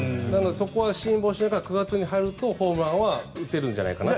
そこは辛抱しながら９月に入るとホームランは打てるんじゃないかなと。